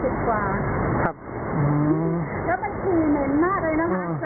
เขาเอ๋อด้วยครับแต่มันกลัวค่ะกลัวโรคด้วยครับ